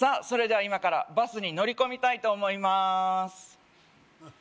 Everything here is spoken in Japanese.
それでは今からバスに乗り込みたいと思いまーす